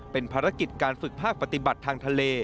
เป็นภารกิจการฝึกภาคปฏิบัติทางทะเล